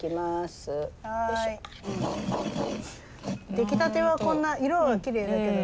出来たてはこんな色はきれいだけど。